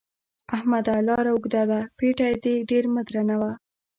احمده! لاره اوږده ده؛ پېټی دې ډېر مه درنوه.